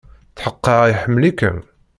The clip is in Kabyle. Tḥeqqeɣ iḥemmel-ikem.